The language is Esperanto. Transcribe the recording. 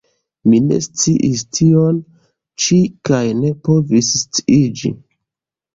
Mi ne sciis tion ĉi kaj ne povis sciiĝi.